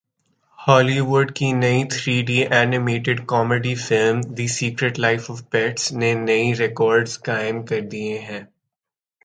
ہالی وڈ کی نئی three D animated comedy film The Secret Life of Pets نے نئے ریکارڈز قائم کر دیے ہیں